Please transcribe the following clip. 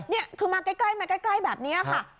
นี่คือมาใกล้มาใกล้แบบนี้ค่ะ